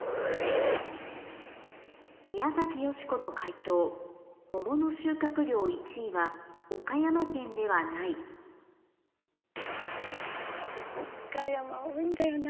宮崎美子の解答モモの収穫量１位は岡山県ではない岡山多いんだよな。